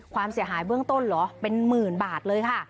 ความเสียหายเบื้องต้นเหรอเป็นหมื่นบาทเลยค่ะ